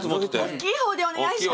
おっきい方でお願いします。